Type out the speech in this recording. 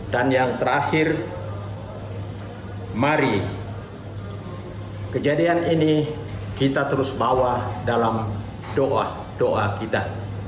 dan yang terakhir mari kejadian ini kita terus bawa dalam doa doa kita